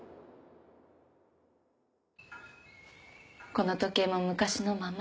この時計も昔のまま。